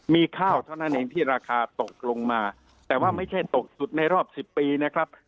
มีข้าวเท่านั้นเองที่ราคาตกลงมาแต่ว่าไม่ใช่ตกสุดในรอบ๑๐ปีนะครับ